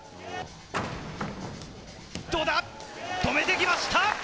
止めてきました！